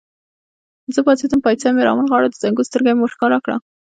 زه پاڅېدم، پایڅه مې را ونغاړل، د زنګون سترګه مې ور ښکاره کړل.